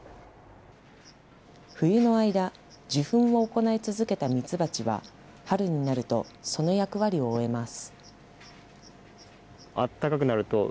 冬の間、受粉を行い続けたミツバチは、春になるとその役割を終えます。